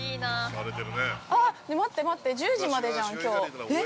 ◆待って待って１０時までじゃん、きょう。